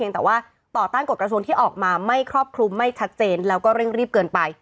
แต่ว่าต่อต้านกฎกระทรวงที่ออกมาไม่ครอบคลุมไม่ชัดเจนแล้วก็เร่งรีบเกินไป